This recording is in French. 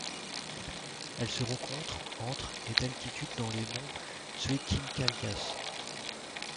Elle se rencontre entre et d'altitude dans les monts Dzhetymkalyas.